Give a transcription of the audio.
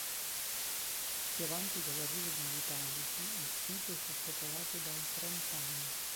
Più avanti con l'arrivo degli Italici, il sito fu popolato dai Frentani.